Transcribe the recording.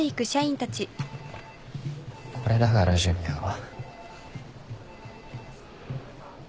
これだからジュニアは。